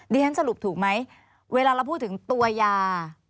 เรียนสรุปถูกไหมเวลาเราพูดถึงตัวยา